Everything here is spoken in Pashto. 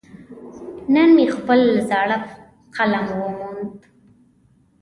نن مې خپل زاړه قلم وموند.